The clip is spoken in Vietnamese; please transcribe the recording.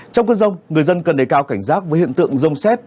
trong cơn rông người dân cần đề cao cảnh giác với hiện tượng rông xét